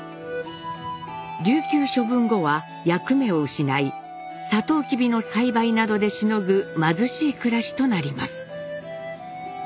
琉球処分後は役目を失いサトウキビの栽培などでしのぐ貧しい暮らしとなります。